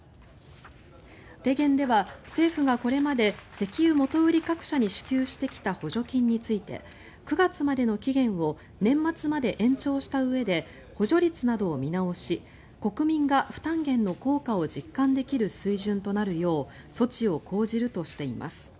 提言では、政府がこれまで石油元売り各社に支給してきた補助金について９月までの期限を年末まで延長したうえで補助率などを見直し国民が負担減の効果を実感できる水準となるよう措置を講じるとしています。